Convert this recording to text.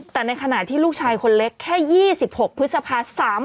แต่ในขณะที่ลูกชายคนเล็กแค่๒๖พฤษภา๓๔